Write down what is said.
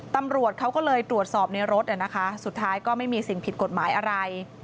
ตำรวจเขาก็เลยตรวจสอบในรถนะคะสุดท้ายก็ไม่มีสิ่งผิดกฎหมายอะไร